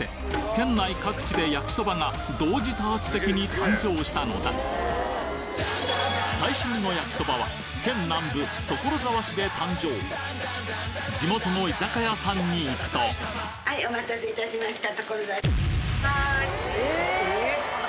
県内各地で焼きそばが同時多発的に誕生したのだ最新の焼きそばは県南部所沢市で誕生地元の居酒屋さんに行くとはいお待たせいたしました。